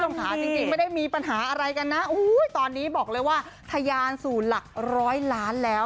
ค่ะจริงไม่ได้มีปัญหาอะไรกันนะตอนนี้บอกเลยว่าทะยานสู่หลักร้อยล้านแล้ว